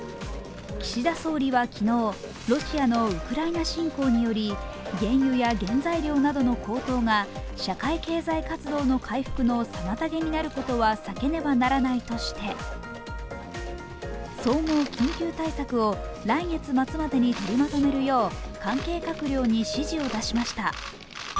岸田総理は昨日、ロシアのウクライナ侵攻により原油や原材料などの高騰が社会経済活動の回復の妨げになることは避けねばならないとして総合緊急対策を来月末までに取りまとめるよう関係閣僚に指示を出しました。